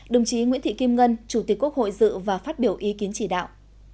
đồng chí nguyễn thị kim ngân chủ tịch quốc hội dự và phát biểu ý kiến chỉ đạo